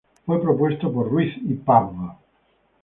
Fue propuesto por Ruiz y Pav.